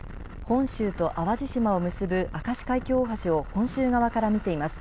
本州と淡路島を結ぶ明石海峡大橋を本州側から見ています。